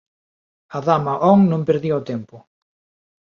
A Dama Om non perdía o tempo.